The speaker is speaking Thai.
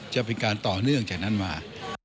จะเป็นการต่อเนื่องจากนั้นมา